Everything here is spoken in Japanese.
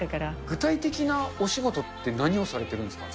具体的なお仕事って、何をされているんですか。